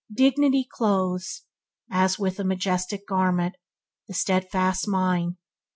Dignity clothes, as with a majestic garment, the steadfast mind.